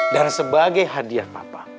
dan sebagai hadiah papa